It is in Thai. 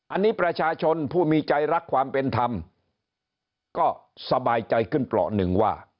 อันนี้ประชาชนผู้มีใจรักความเป็นธรรมก็สบายใจขึ้นเปราะหนึ่งว่า